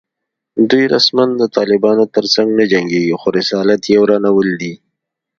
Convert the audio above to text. دوی رسماً د طالبانو تر څنګ نه جنګېږي خو رسالت یې ورانول دي